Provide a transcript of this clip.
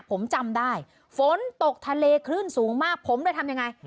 ผมจำได้ฝนตกทะเลคลื่นสูงมากผมเลยทำยังไง